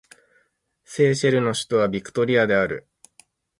セーシェルの首都はビクトリアである